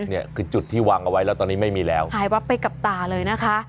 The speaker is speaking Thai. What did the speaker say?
เนี่ยคือจุดที่วางเอาไว้แล้วตอนนี้ไม่มีแล้วหายวับไปกับตาเลยนะคะ